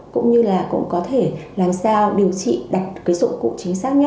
cũng như là cũng có thể làm sao điều trị đặt cái dụng cụ chính xác nhất